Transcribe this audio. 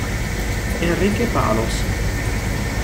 Enrique Palos